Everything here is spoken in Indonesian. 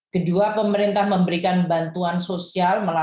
kedua pemerintah memberikan bantuan sosial